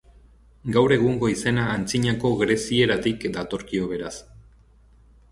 Gaur egungo izena antzinako grezieratik datorkio, beraz.